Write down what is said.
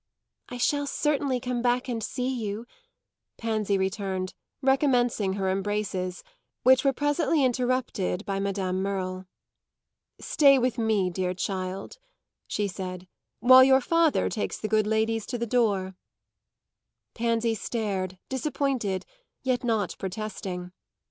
"I shall certainly come back and see you," Pansy returned, recommencing her embraces, which were presently interrupted by Madame Merle. "Stay with me, dear child," she said, "while your father takes the good ladies to the door." Pansy stared, disappointed, yet not protesting.